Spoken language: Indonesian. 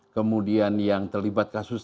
kemudian yang terlibat kasus